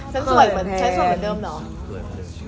ฉันสวยเหมือนเดิมเหรอ